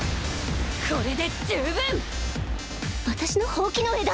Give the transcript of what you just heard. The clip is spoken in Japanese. これで十分！